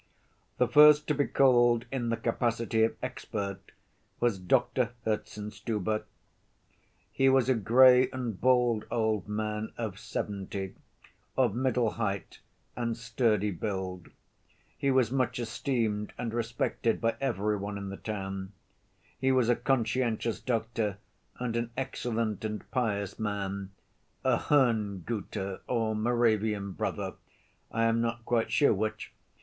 The first to be called in the capacity of expert was Doctor Herzenstube. He was a gray and bald old man of seventy, of middle height and sturdy build. He was much esteemed and respected by every one in the town. He was a conscientious doctor and an excellent and pious man, a Hernguter or Moravian brother, I am not quite sure which.